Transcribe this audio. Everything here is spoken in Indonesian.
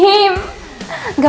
luar panggung ya